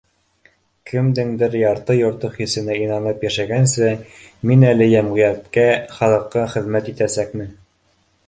Кемдең дер ярты-йорто хисенә инанып йәшәгәнсе, мин әле йәм ғиәткә, халыҡҡа хеҙмәт итәсәкмен